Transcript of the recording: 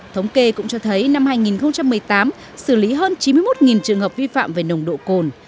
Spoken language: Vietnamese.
thống kê cũng cho thấy năm hai nghìn một mươi tám xử lý hơn chín mươi một trường hợp vi phạm về nồng độ cồn